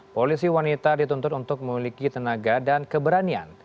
polisi wanita dituntut untuk memiliki tenaga dan keberanian